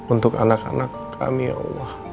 untuk anak anak kami ya allah